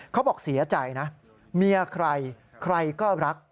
เขาบอกเสียใจนะเมียใครใครก็รัก